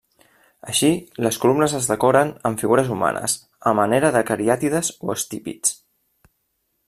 Així, les columnes es decoren amb figures humanes a manera de cariàtides o estípits.